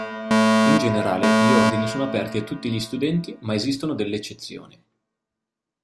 In generale gli ordini sono aperti a tutti gli studenti ma esistono delle eccezioni.